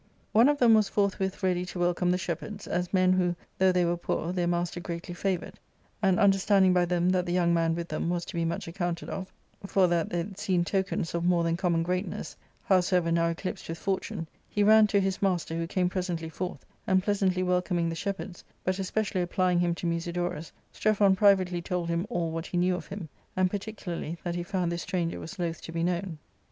One of them was forthwith ready to welcome the shepherds, as men who, though they^ were poor, their master greatly favoured ; and understanding by them that the young man with them was to be much accounted of, for that they had seen tpkens of more than com mon greatness, howsoever now eclipsed with fortune, he ran to his master, who came presently forth, and pleasantly welcoming the shepherds, but especially applying him to Musidorus, Strephon privately told him all what he knew of him, and particularly that he found this stranger was loth to be known.